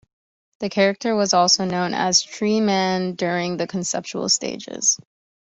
The character was also known as Tree Man during the conceptual stages.